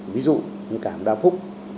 ví dụ như cảm đa phúc